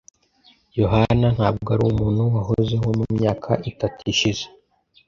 Yohana ntabwo ari umuntu wahozeho mu myaka itatu ishize .